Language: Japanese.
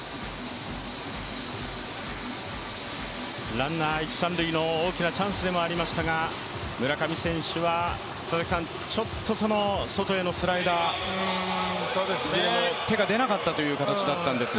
ランナー、一・三塁の大きなチャンスでもありましたが村上選手はちょっと外へのスライダー手が出なかったという形だったんですが。